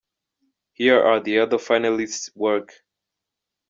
Here are the other finalists’ work.